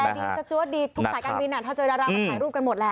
ดีสจวดดีทุกสายการบินถ้าเจอดาราก็ถ่ายรูปกันหมดแหละ